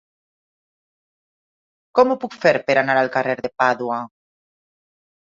Com ho puc fer per anar al carrer de Pàdua?